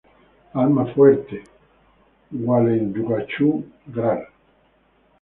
Almafuerte, Gualeguaychú, Gral.